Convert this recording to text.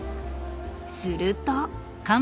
［すると］